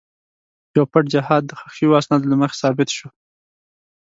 یو پټ جهاد د ښخ شوو اسنادو له مخې ثابت شو.